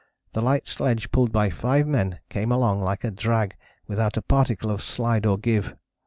The light sledge pulled by five men came along like a drag without a particle of slide or give.